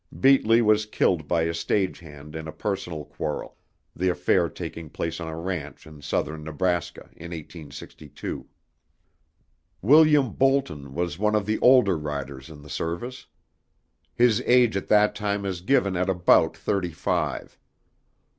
Beatley was killed by a stage hand in a personal quarrel, the affair taking place on a ranch in Southern Nebraska in 1862. William Boulton was one of the older riders in the service; his age at that time is given at about thirty five.